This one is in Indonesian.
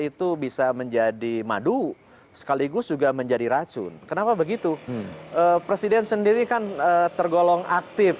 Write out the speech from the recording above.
itu bisa menjadi madu sekaligus juga menjadi racun kenapa begitu presiden sendiri kan tergolong aktif